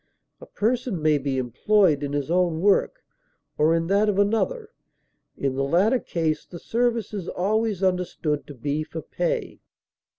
A person may be employed in his own work or in that of another; in the latter case the service is always understood to be for pay.